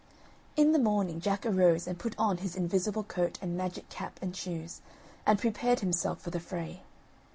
In the morning Jack arose and put on his invisible coat and magic cap and shoes, and prepared himself for the fray.